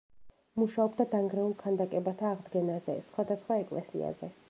მუშაობდა დანგრეულ ქანდაკებათა აღდგენაზე, სხვადასხვა ეკლესიაზე.